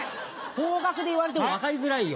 方角で言われても分かりづらいよ。